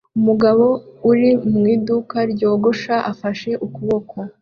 Umugabo uri mu iduka ryogosha afashe ukuboko